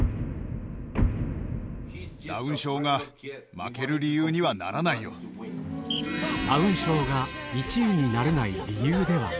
ダウン症が負ける理由にはなダウン症が１位になれない理